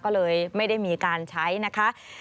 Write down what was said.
ก็เลยไม่ได้มีการใช้นะคะ